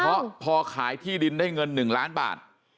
เพราะพอขายที่ดินได้เงิน๑ล้านบาท